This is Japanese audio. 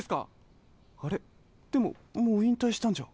あれでももういんたいしたんじゃ。